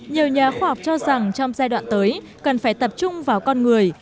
nhiều nhà khoa học cho rằng trong giai đoạn tới cần phải tập trung vào con người